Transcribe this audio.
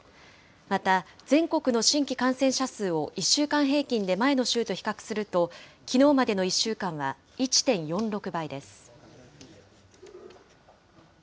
また、全国の新規感染者数を１週間平均で前の週と比較すると、きのうまでの１週間は１．４６倍です。